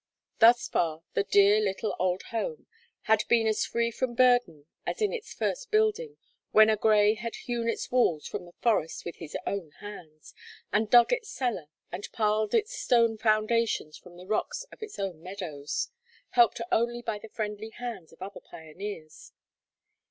Thus far the dear little old home had been as free from burden as in its first building, when a Grey had hewn its walls from the forest with his own hands, and dug its cellar, and piled its stone foundations from the rocks of its own meadows, helped only by the friendly hands of other pioneers.